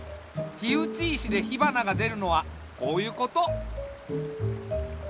火打ち石で火花がでるのはこういうこと。